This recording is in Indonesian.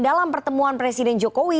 dalam pertemuan presiden jokowi